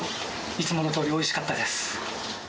いつものとおり、おいしかったです。